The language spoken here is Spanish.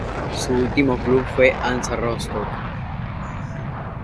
Su último club fue el Hansa Rostock.